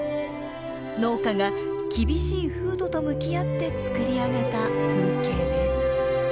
農家が厳しい風土と向き合ってつくり上げた風景です。